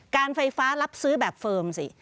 การไฟฟ้ารับซื้อแบบเฟิร์มสิ